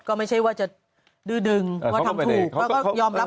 ก็ไม่ใช่ว่าดึดึงว่าทำถูก